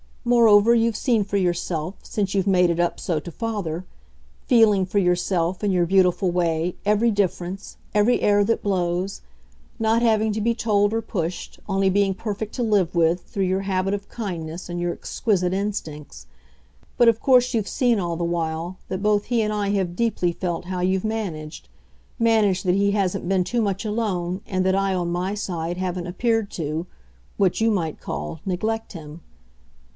Moreover you've seen for yourself, since you've made it up so to father; feeling, for yourself, in your beautiful way, every difference, every air that blows; not having to be told or pushed, only being perfect to live with, through your habit of kindness and your exquisite instincts. But of course you've seen, all the while, that both he and I have deeply felt how you've managed; managed that he hasn't been too much alone and that I, on my side, haven't appeared, to what you might call neglect him.